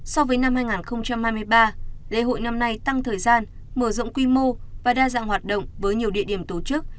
so với năm hai nghìn hai mươi ba lễ hội năm nay tăng thời gian mở rộng quy mô và đa dạng hoạt động với nhiều địa điểm tổ chức